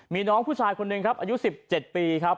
มีน้องผู้ชายคนหนึ่งครับอายุ๑๗ปีครับ